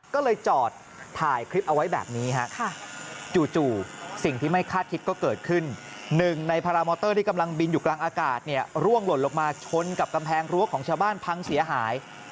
ก็เลยจอดถ่ายคลิปเอาไว้แบบนี้ฮะ